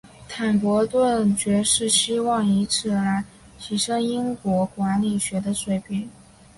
坦伯顿爵士希望以此来提升英国管理学的水平。